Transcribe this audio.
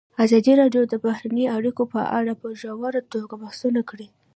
ازادي راډیو د بهرنۍ اړیکې په اړه په ژوره توګه بحثونه کړي.